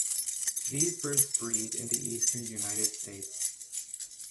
These birds breed in the Eastern United States.